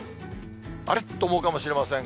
あれっと思うかもしれません。